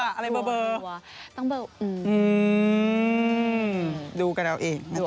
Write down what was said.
ดู่กันแล้วเองนะจ๊ะดูออกเองนะคะ